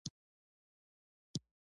دداسې خلک کور او خونه چلولای شي.